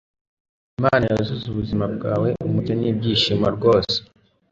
Imana yuzuze ubuzima bwawe umucyo n'ibyishimo rwose